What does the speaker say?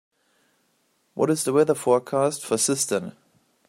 What is the weather forecast for Cistern